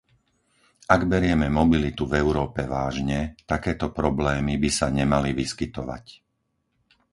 Ak berieme mobilitu v Európe vážne, takéto problémy by sa nemali vyskytovať.